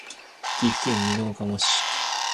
岐阜県美濃加茂市